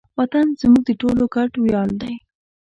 وطن زموږ د ټولو ګډ ویاړ دی.